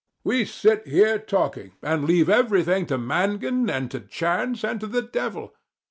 We sit here talking, and leave everything to Mangan and to chance and to the devil.